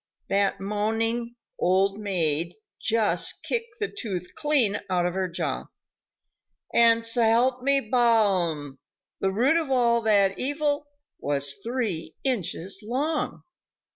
That moaning "Old maid" just kicked the tooth clean out of her jaw. And, s'help me Balaam! the root of all that evil was three inches long.